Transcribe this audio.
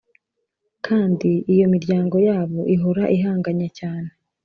kandi iyo miryango yabo ihora ihanganye cyane